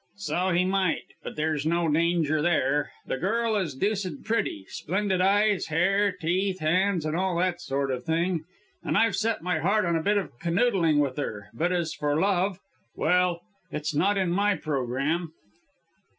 '" "So he might, but there's no danger there. The girl is deuced pretty splendid eyes, hair, teeth, hands and all that sort of thing, and I've set my heart on a bit of canoodling with her, but as for love! Well! it's not in my programme."